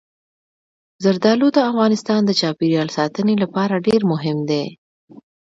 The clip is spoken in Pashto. زردالو د افغانستان د چاپیریال ساتنې لپاره ډېر مهم دي.